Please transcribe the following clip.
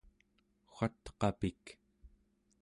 watpik